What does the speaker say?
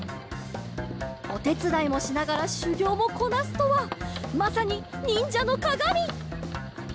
おてつだいもしながらしゅぎょうもこなすとはまさににんじゃのかがみ！